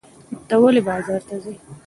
ته ولې بازار ته ځې؟